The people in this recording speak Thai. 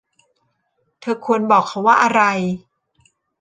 เธอควรบอกเขาว่าอะไร